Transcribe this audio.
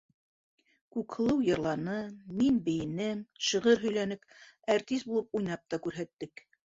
Күкһылыу йырланы, мин бейенем, шиғыр һөйләнек, әртис булып уйнап та күрһәттек!